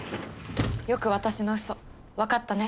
よく私のうそ分かったね。